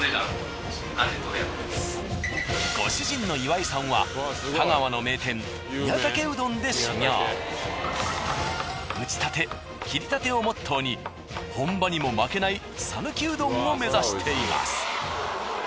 ご主人の岩井さんは打ちたて切りたてをモットーに本場にも負けない讃岐うどんを目指しています。